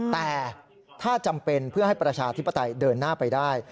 แต่ถ้าจำเป็นเพื่อให้ประชาธิปไตยเดินหน้าไปได้